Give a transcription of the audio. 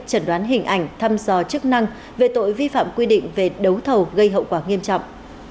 chẩn đoán hình ảnh thăm dò chức năng về tội vi phạm quy định về đấu thầu gây hậu quả nghiêm trọng